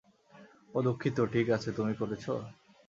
ওহ দুঃখিত - ঠিক আছে - তুমি করেছ?